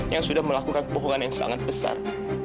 yang sudah melakukan kebohongan yang sangat besar